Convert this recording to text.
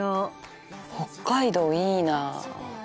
北海道いいな。